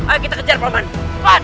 ayo kita kejar boman